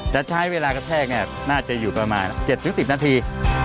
แต่ใช้เวลากระแทกน่าจะอยู่ประมาณ๗๑๐นาที